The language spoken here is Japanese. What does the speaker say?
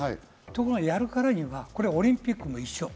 ところがやるからには、これはオリンピックと一緒。